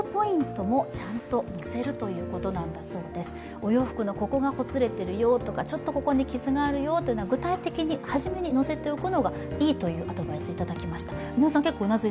お洋服のここがほつれてるよとか、ちょっとここに傷があるよというのを具体的に初めに載せておくのがいいというアドバイスをいただきました。